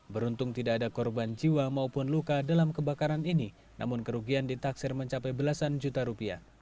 beruntung tidak ada korban jiwa maupun luka dalam kebakaran ini namun kerugian ditaksir mencapai belasan juta rupiah